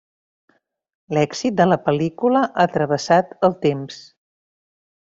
L'èxit de la pel·lícula ha travessat el temps.